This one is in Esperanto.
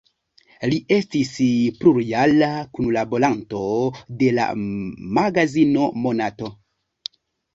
Li estis plurjara kunlaboranto de la magazino "Monato".